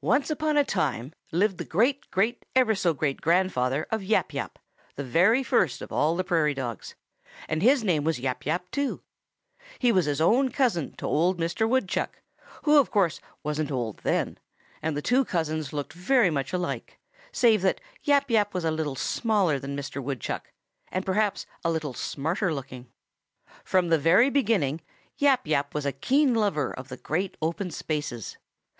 "Once upon a time lived the great great ever so great grandfather of Yap Yap, the very first of all the Prairie Dogs, and his name was Yap Yap too. He was own cousin to old Mr. Woodchuck, who of course wasn't old then, and the two cousins looked much alike, save that Yap Yap was a little smaller than Mr. Woodchuck and perhaps a little smarter looking. "From the very beginning Yap Yap was a keen lover of the great open spaces.